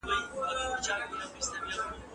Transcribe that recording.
د خپلو ژبو د زده کړې علاقه، نو د کلتور پراحتیا ده.